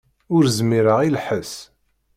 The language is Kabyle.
Ur zmireɣ i lḥess.